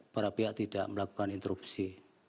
para pihak tidak melakukan interupsi